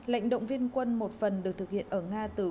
lệnh động viên quân một phần được thực hiện ở nga từ